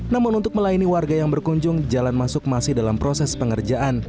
namun untuk melayani warga yang berkunjung jalan masuk masih dalam proses pengerjaan